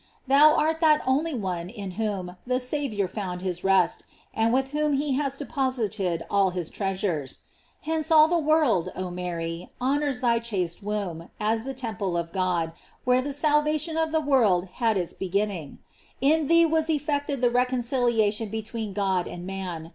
Thou art that only one in whom the Saviouf found his rest, and with whom he has deposited all his treasures. Hence all the world, oh Mary, honors thy chaste womb, as the temple of God, where the salvation of the world had its begin ning. In thee was effected the reconciliation be tween God and man.